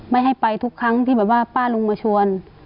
ไม่ให้ไปทุกครั้งที่แบบว่าป้าลุงมาชวน